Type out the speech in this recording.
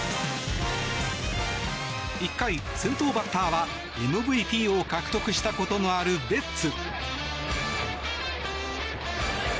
１回、先頭バッターはＭＶＰを獲得したことのあるベッツ。